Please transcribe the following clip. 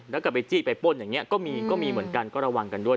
แล้วก็ไปจี้ไปป้นอย่างนี้ก็มีก็มีเหมือนกันก็ระวังกันด้วย